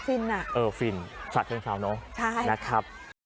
ฟินนะฟินสระเชิงเซาเนอะนะครับใช่